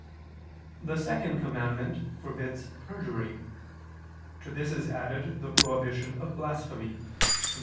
The second commandment forbids perjury. To this is added the prohibition of blasphemy (Lev.